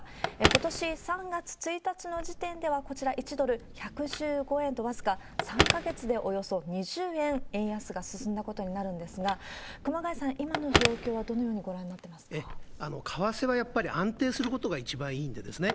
ことし３月１日の時点では、こちら、１ドル１１５円と、僅か３か月でおよそ２０円円安が進んだことになるんですが、熊谷さん、今の状況はどのようにご覧になってますか？為替はやっぱり安定することが一番いいんですね。